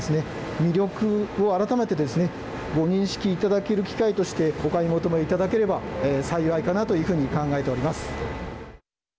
魅力を改めてですねご認識いただける機会としてお買い求めいただければ幸いかなと考えております。